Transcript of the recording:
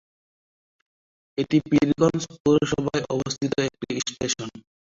এটি পীরগঞ্জ পৌরসভায় অবস্থিত একটি স্টেশন।